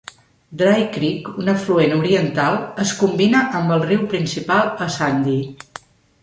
Dry Creek, un afluent oriental, es combina amb el riu principal a Sandy.